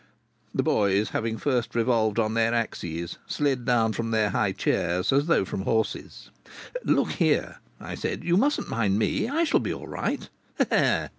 The boys, having first revolved on their axes, slid down from their high chairs as though from horses. "Look here," I said. "You mustn't mind me. I shall be all right."